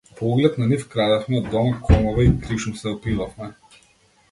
По углед на нив крадевме од дома комова и кришум се опивавме.